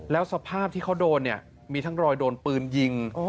แล้วสภาพที่เขาโดนเนี่ยมีทั้งรอยโดนปืนยิง